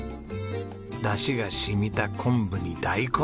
だしがしみた昆布に大根！